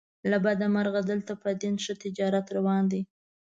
له بده مرغه دلته په دین ښه تجارت روان دی.